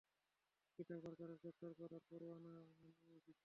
Peter পার্কারকে গ্রেপ্তার করার পরোয়ানা নিয়ে এসেছি।